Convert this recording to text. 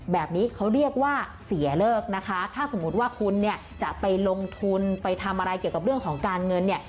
แบบนี้เขาเรียกว่าเสียเลิกนะคะถ้าสมมุติว่าคุณเนี่ยจะไปลงทุนไปทำอะไรเกี่ยวกับเรื่องของการเงินเนี่ย